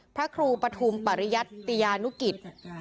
พระครูปะทุมปรญญัตย์ตรยานุกิต